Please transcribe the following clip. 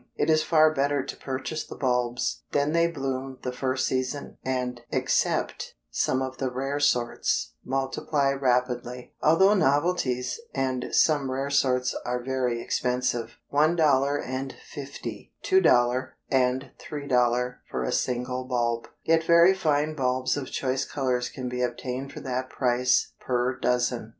It is far better to purchase the bulbs, then they bloom the first season, and, except some of the rare sorts, multiply rapidly. Although novelties, and some rare sorts are very expensive, $1.50, $2 and $3 for a single bulb, yet very fine bulbs of choice colors can be obtained for that price per dozen.